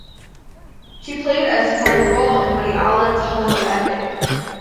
She played a supporting role in Woody Allen's "Hollywood Ending".